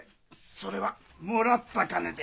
それはもらった金で。